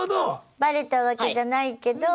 バレたわけじゃないけど。